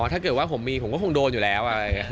ถ้าเกิดว่าผมมีผมก็คงโดนอยู่แล้ว